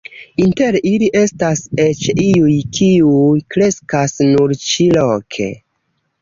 Inter ili estas eĉ iuj, kiuj kreskas nur ĉi-loke.